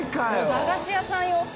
駄菓子屋さんよ。